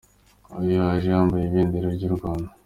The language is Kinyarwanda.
Uyu yaje yambaye ibendera ry'u Rwanda.